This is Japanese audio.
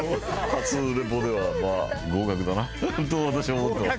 初リポではまあ合格だなと私は思ってます。